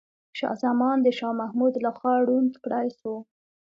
شاه زمان د شاه محمود لخوا ړوند کړاي سو.